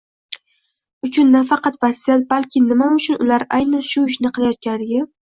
uchun nafaqat vasiyat, balki nima uchun ular aynan shu ishni qilayotganligi